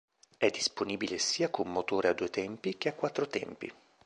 È disponibile sia con motore a due tempi che a quattro tempi.